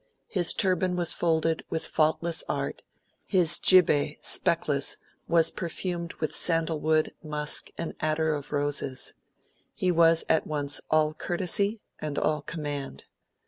His turban was folded with faultless art, his jibbeh, speckless, was perfumed with sandal wood, musk, and attar of roses. He was at once all courtesy and all command.